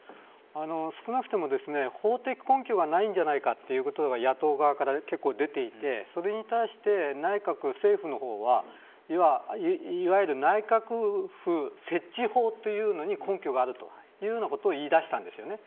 少なくとも、法的根拠がないんじゃないかという声が野党側から結構出ていてそれに対して内閣、政府のほうはいわゆる内閣府設置法というのに根拠があると言い出したんですね。